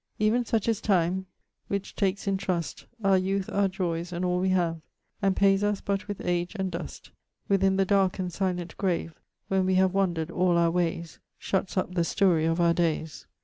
_> Even such is tyme, which takes in trust Our youth, our joyes, and all we have, And payes us but with age and dust. Within the darke and silent grave, When we have wandered all our wayes, Shutts up the story of our dayes.